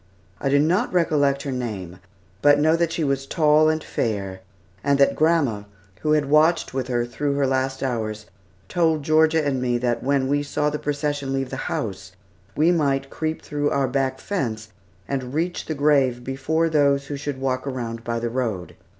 I do not recollect her name, but know that she was tall and fair, and that grandma, who had watched with her through her last hours, told Georgia and me that when we saw the procession leave the house, we might creep through our back fence and reach the grave before those who should walk around by the road.